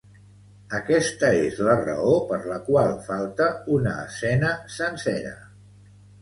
Aquesta és la raó per la qual falta una escena sencera.